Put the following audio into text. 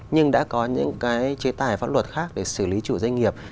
nhưng đã có những cái chế tài pháp luật khác để xử lý chủ doanh nghiệp